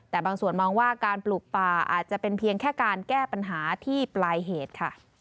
แต่บางส่วนมองว่าการปลูกป่าอาจจะเป็นเพียงแค่การแก้ปัญหาที่ปลายเหตุค่ะ